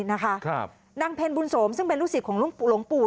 นางเพ็ญบุญสมซึ่งเป็นลูกศิษย์ของหลวงปู่